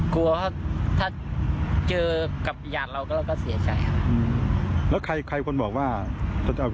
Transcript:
ขอเซ็นต์ถ้าเจอกับหญาติเราก็เสียใจครับ